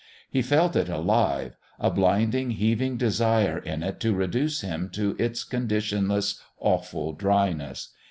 He felt it alive a blindly heaving desire in it to reduce him to its conditionless, awful dryness.